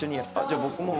じゃあ僕も。